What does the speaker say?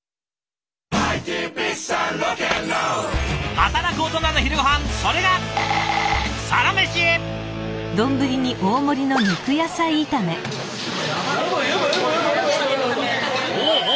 働くオトナの昼ごはんそれがおおお！